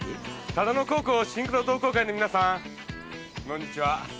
唯野高校シンクロ同好会の皆さんこんにちは。